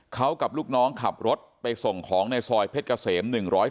เขากับลูกน้องขับรถไปส่งของในซอยเพชรเกษม๑๔